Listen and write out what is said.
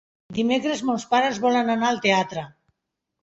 Dimecres mons pares volen anar al teatre.